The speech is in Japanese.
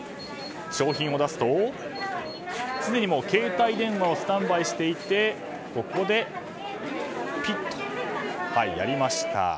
商品を出すと、すでに携帯電話をスタンバイしていてここでピッとやりました。